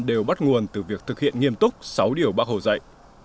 đều bắt nguồn từ việc thực hiện nghiêm túc sáu điều bác hồ dạy